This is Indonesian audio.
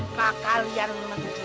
nah ku igain